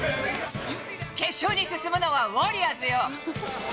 決勝に進むのはウォリアーズよ！